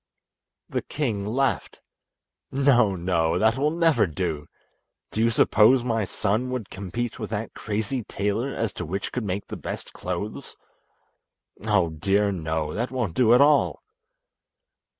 The king laughed. "No, no, that will never do. Do you suppose my son would compete with that crazy tailor as to which could make the best clothes? Oh, dear, no, that won't do at all."